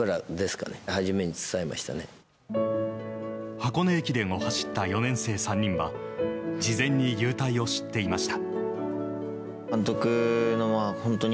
箱根駅伝を走った４年生３人は事前に勇退を知っていました。